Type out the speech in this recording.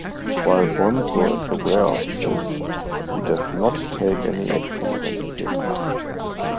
While Bonzo is aware of this, he does not take any action against Petra.